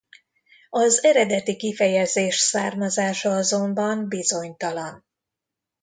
Az eredeti kifejezés származása azonban bizonytalan.